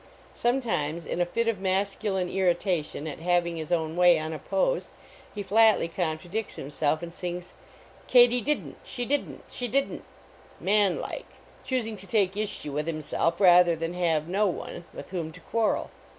Sometimes, in a fit of masculine irritation at having his own way unopposed, he flatly contradicts himself and sings " Katy didn t; she didn t; she didn t; " man like, choosing to take issue with him self rather than have no one with whom to quarrel.